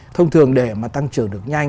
thông thường để mà tăng trưởng được nhanh